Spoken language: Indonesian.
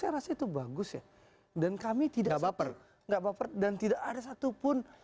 saya rasa itu bagus ya dan kami tidak baper nggak baper dan tidak ada satupun